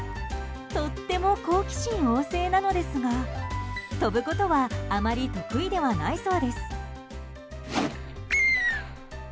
とっても好奇心旺盛なのですが飛ぶことはあまり得意ではないそうです。